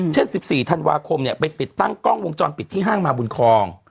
เช่น๑๔ธันวาคมไปติดตั้งกล้องวงจรปิดที่ห้างมาบุญคลอง